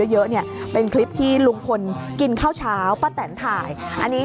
เยอะเนี่ยเป็นคลิปที่ลุงพลกินข้าวเช้าป้าแตนถ่ายอันนี้